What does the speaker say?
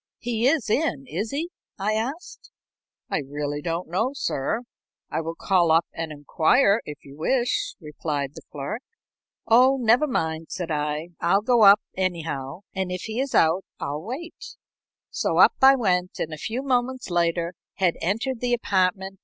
"He is in, is he?" I asked. "I really don't know, sir. I will call up and inquire, if you wish," replied the clerk. "Oh, never mind," said I. "I'll go up, anyhow, and if he is out, I'll wait." So up I went, and a few moments later had entered the apartment.